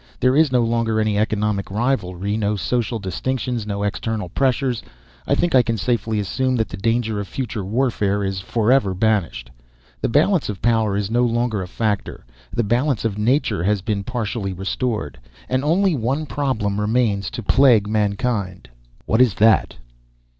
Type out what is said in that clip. There is no longer any economic rivalry, no social distinctions, no external pressure. I think I can safely assume that the danger of future warfare is forever banished. The balance of power is no longer a factor. The balance of Nature has been partially restored. And only one problem remains to plague mankind." "What is that?"